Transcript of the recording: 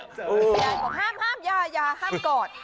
ยายขอห้ามยายห้ามกอด